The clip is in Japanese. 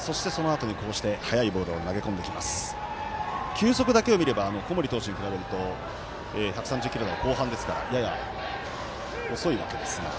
球速だけを見れば小森投手に比べると１３０キロ台後半ですからやや遅いわけですが。